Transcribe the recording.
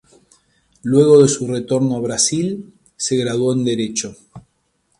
Luego de su retorno a Brasil, se graduó en Derecho.